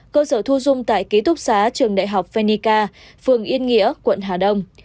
cơ sở thu dung tại ký túc xá trường đại học phenica phường yên nghĩa quận hà đông